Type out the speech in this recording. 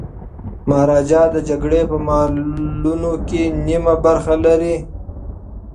مهاراجا د جګړې په مالونو کي نیمه برخه لري.